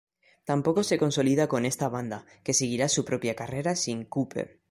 Tampoco se consolida con esta banda, que seguirá su propia carrera sin Kooper.